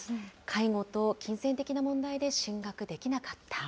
介護と金銭的な問題で進学できなかった。